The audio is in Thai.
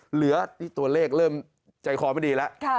เหลือนี่ตัวเลขเริ่มใจคอไม่ดีแล้ว